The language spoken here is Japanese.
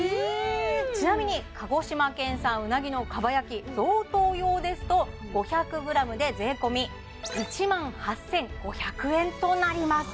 ちなみに鹿児島県産うなぎの蒲焼贈答用ですと５００ｇで税込１万８５００円となります